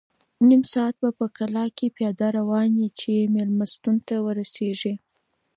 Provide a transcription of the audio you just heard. نیم ساعت به په کلا کې پیاده روان یې چې مېلمستون ته ورسېږې.